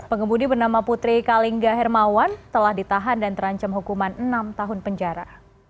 pengemudi bernama putri kalingga hermawan telah ditahan dan terancam hukuman enam tahun penjara